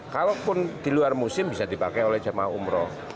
kalaupun di luar musim bisa dipakai oleh jemaah umroh